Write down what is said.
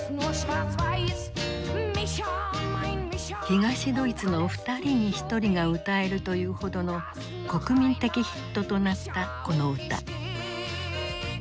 東ドイツの２人に１人が歌えるというほどの国民的ヒットとなったこの歌。